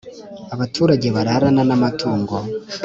abaturage bararana n amatungo